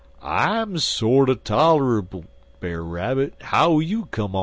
"'I'm sorter toler'ble, Brer Rabbit; how you come on?'